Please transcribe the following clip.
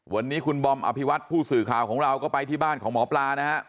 วันนี้คุณบอมอภิวัตผู้สื่อข่าวของเราก็ไปที่บ้านของหมอปลานะฮะ